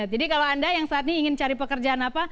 jadi kalau anda yang saat ini ingin cari pekerjaan apa